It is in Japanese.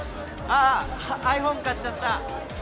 ｉＰｈｏｎｅ買っちゃった。